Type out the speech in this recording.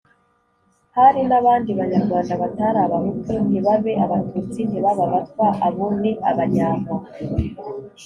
Hari n'abandi Banyarwanda batari Abahutu ntibabe Abatutsi, ntibabe Abatwa:abo ni Abanyambo,